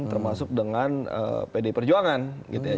termasuk dengan pdi perjuangan gitu ya